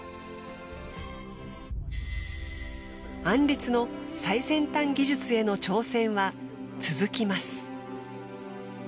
アンリツの最先端技術への挑戦は続きます。